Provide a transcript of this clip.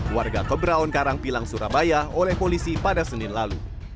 warga keberaon karang pilang surabaya oleh polisi pada senin lalu